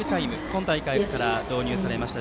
今大会から導入されました。